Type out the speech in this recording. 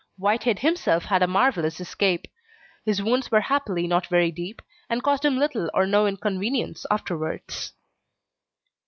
Whitehead himself had a marvellous escape; his wounds were happily not very deep, and caused him little or no inconvenience afterwards.